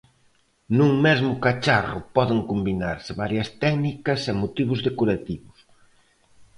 Nun mesmo cacharro poden combinarse varias técnicas e motivos decorativos.